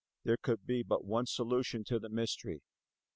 There could be but one solution to the mystery.